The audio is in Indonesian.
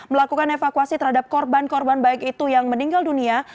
melakukan evakuasi terhadap korban korban baik itu yang meninggal dunia